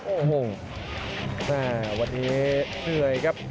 โอ้โหแม่วันนี้เหนื่อยครับ